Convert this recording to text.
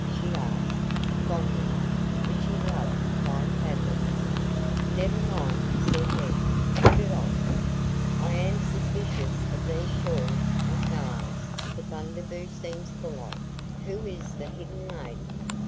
she asked, fondling it, for she loved fine fabrics. "Never mind," said he. "Put it on." "I am suspicious of these shawls and fallals that Bundaboo seems full of. Who is the hidden lady?"